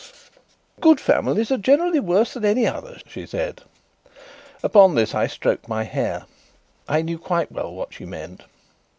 "Good families are generally worse than any others," she said. Upon this I stroked my hair: I knew quite well what she meant.